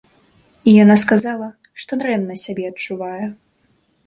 Яна сказала, што дрэнна сябе адчувае.